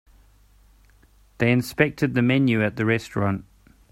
They inspected the menu at the restaurant.